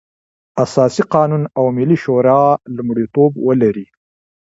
اساسي قانون او ملي شورا لومړيتوب ولري.